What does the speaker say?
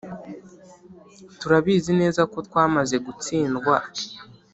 turabizi neza ko twamaze gutsindwa